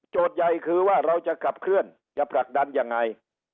ใหญ่คือว่าเราจะขับเคลื่อนจะผลักดันยังไง